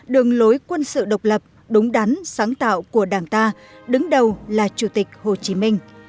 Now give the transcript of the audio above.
đường lối quân sự độc lập đúng đắn sáng tạo của đảng ta đứng đầu là chủ tịch hồ chí minh